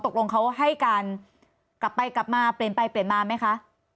ตกลงเขาให้การกลับไปกลับมาเปลี่ยนไปเปลี่ยนมาไหมคะ